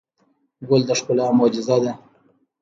ګل د ښکلا معجزه ده.